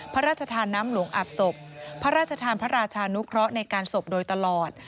พระราชทานน้ำหลวงอาบศพพระราชทานพระราชานุเคราะห์ในการศพโดยตลอด